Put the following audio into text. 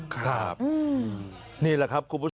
ครับนี่แหละครับคุณผู้ชม